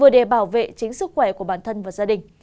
để bảo vệ chính sức khỏe của bản thân và gia đình